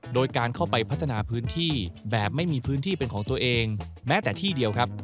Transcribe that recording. โดยการเข้าไปพัฒนาพื้นที่แบบไม่มีพื้นที่เป็นของตัวเองแม้แต่ที่เดียวครับ